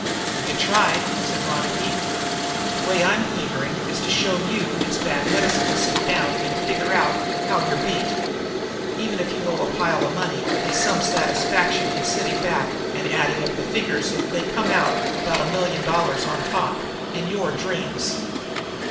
"We could try," said Ronicky. "Way I'm figuring is to show you it's bad medicine to sit down and figure out how you're beat. Even if you owe a pile of money they's some satisfaction in sitting back and adding up the figures so that you come out about a million dollars on top in your dreams.